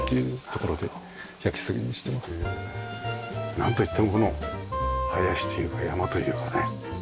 なんといってもこの林というか山というかね緑が。